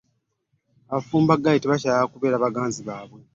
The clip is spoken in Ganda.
abafumbo baali tebakyayagala kubeera na baganzi baabwe.